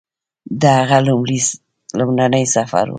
د هغه لومړنی سفر و